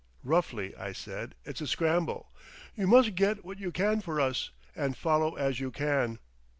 "Roughly," I said, "it's a scramble. You must get what you can for us, and follow as you can."